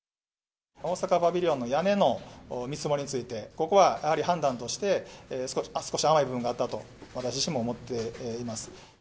大阪パビリオンの屋根の見積もりについて、ここはやはり判断として、少し甘い部分があったと、私自身も思っています。